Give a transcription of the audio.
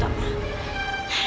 kenapa kamu bentak bentak mira